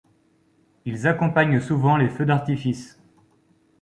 Ils accompagnent souvent les feux d'artifice.